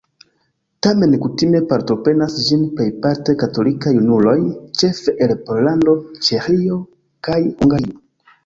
Tamen kutime partoprenas ĝin plejparte katolikaj junuloj, ĉefe el Pollando, Ĉeĥio kaj Hungario.